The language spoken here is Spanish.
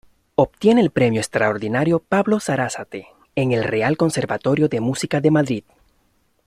Obtiene el premio extraordinario Pablo Sarasate en el Real Conservatorio de Música de Madrid.